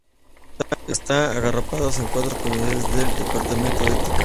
Están agrupados en cuatro comunidades del departamento de Tilcara.